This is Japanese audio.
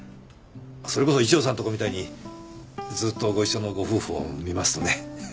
それこそ一条さんとこみたいにずっとご一緒のご夫婦を見ますとね。